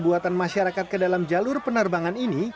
buatan masyarakat ke dalam jalur penerbangan ini